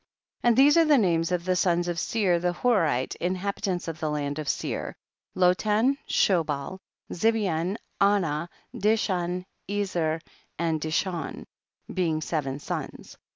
26. And these are the names of the sons of Seir the Horite, inhab itants of the land of Seir, Lotan, Shobal, Zibean, Anah, Dishan, Ezer and Dishon, being seven sons.